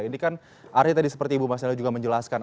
ini kan artinya tadi seperti ibu mas nyali juga menjelaskan